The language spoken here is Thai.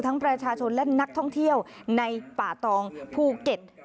ประชาชนและนักท่องเที่ยวในป่าตองภูเก็ต